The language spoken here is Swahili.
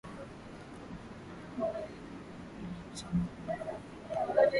na kunyakuwa makabiliano hayo huenda ikachangia pakubwa kusambaa kwa ugonjwa wa kipindupindu